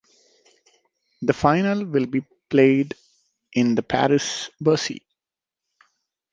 The final will be played the in Paris-Bercy.